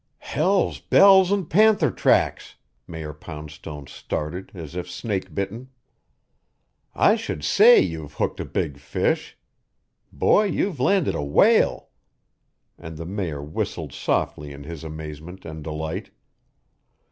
"Hell's bells and panther tracks!" Mayor Poundstone started as if snake bitten. "I should say you have hooked a big fish. Boy, you've landed a whale!" And the Mayor whistled softly in his amazement and delight.